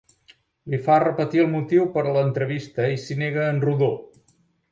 Li fa repetir el motiu per a l'entrevista i s'hi nega en rodó.